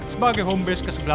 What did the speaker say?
sebagai home base ke sebelas